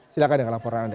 silahkan dengan laporan anda